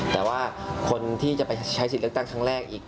แต่ว่าคนที่จะไปใช้สิทธิ์เลือกตั้งครั้งแรกอีก